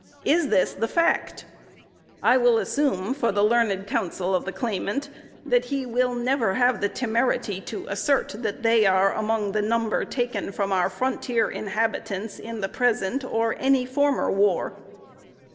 Is this the fact? I will assume, for the learned counsel of the claimant, that he _will never have the temerity to assert that they are among the number taken from our frontier inhabitants in the present, or in any former war_."